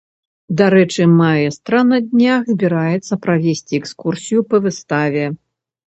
Дарэчы, маэстра на днях збіраецца правесці экскурсію па выставе.